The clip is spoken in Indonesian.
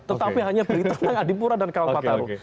tetapi hanya berita tentang adipura dan kalpataru